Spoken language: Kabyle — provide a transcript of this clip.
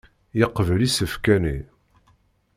Yeqbel isefka-nni.